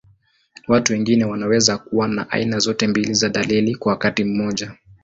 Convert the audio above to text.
Watu wengine wanaweza kuwa na aina zote mbili za dalili kwa wakati mmoja.